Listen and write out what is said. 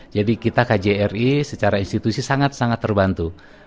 jadi kita kjri secara institusi sangat sangat terbantu